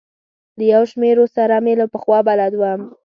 له یو شمېرو سره مې له پخوا بلد وم.